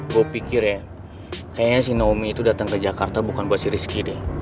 gue pikir ya kayaknya si nomi itu datang ke jakarta bukan buat si rizky deh